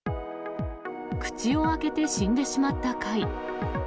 口を開けて死んでしまった貝。